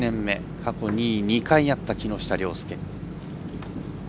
過去２位、２回あった木下稜介。